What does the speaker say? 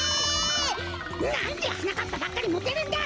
なんではなかっぱばっかりモテるんだ！